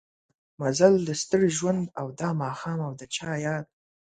مزل د ستړي ژوند او دا ماښام او د چا ياد